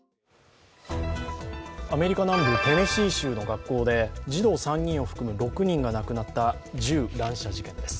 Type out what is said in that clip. アメリカ南部テネシー州の学校で児童３人を含む６人が亡くなった銃乱射事件です。